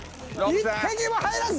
１滴も入らず。